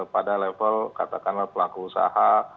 pada level katakanlah pelaku usaha